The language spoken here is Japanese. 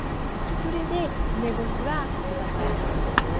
それで梅干しは豚と相性いいでしょう？